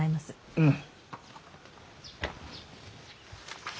うん。